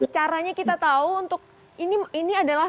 caranya kita tahu untuk ini adalah